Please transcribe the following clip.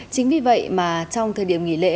chính vì vậy mà trong thời điểm nghỉ lễ